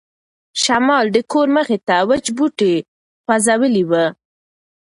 شمال د کور مخې ته وچ بوټي خوځولي وو.